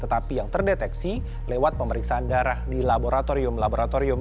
tetapi yang terdeteksi lewat pemeriksaan darah di laboratorium laboratorium